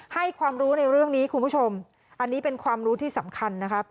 ให้ความรู้ในเรื่องนี้คุณผู้ชมอันนี้เป็นความรู้ที่สำคัญนะครับ